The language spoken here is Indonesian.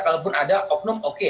kalaupun ada oknum oke